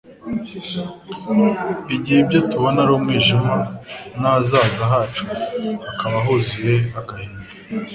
igihe ibyo tubona ari umwijima n'ahazaza hacu hakaba huzuye agahinda,